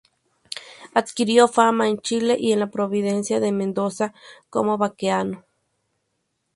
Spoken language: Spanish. Adquirió fama en Chile y en la provincia de Mendoza como baqueano.